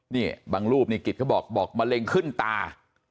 นี่บางรูปนี่กิจเขาบอกบอกมะเร็งขึ้นตา